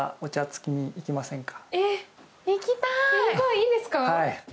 いいんですか。